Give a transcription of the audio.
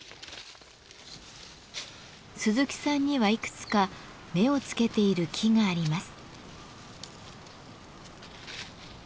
鈴木さんにはいくつか目をつけている木があります。